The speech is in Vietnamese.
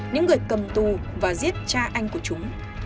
những người cầm tù và giết cha anh của chúng